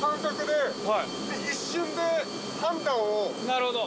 なるほど。